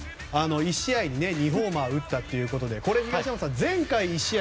１試合２ホーマーを打ったということでこれ東山さん、前試合１試合